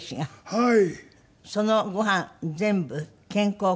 はい。